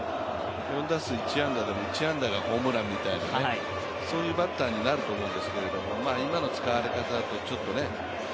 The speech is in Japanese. ４打数１安打でも１安打がホームランみたいなそういうバッターにもなると思うんですけれども、今の使われ方だと、ちょっとね。